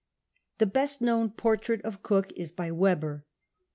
The best known portrait of Cook is by Webber.